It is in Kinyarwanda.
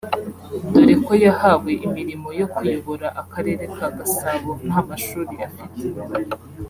dore ko yahawe imirimo yo kuyobora akarere ka Gasabo nta mashuri afite